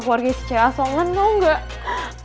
keluarga si c a songan tau gak